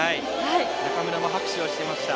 中村も拍手をしていました。